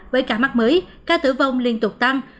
với cả mắt mới ca tử vong liên tục tăng